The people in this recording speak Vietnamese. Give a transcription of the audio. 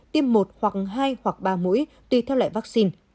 tiêm một hoặc hai hoặc ba mũi tùy theo loại vắc xin